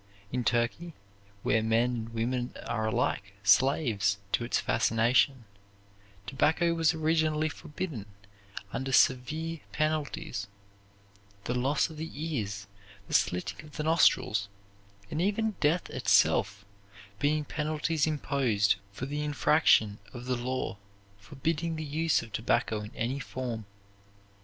In Turkey, where men and women are alike slaves to its fascination, tobacco was originally forbidden under severe penalties; the loss of the ears, the slitting of the nostrils and even death itself being penalties imposed for the infraction of the law forbidding the use of tobacco in any form.